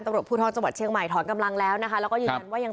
ตำรวจภูทรจังหวัดเชียงใหม่ถอนกำลังแล้วนะคะแล้วก็ยืนยันว่ายัง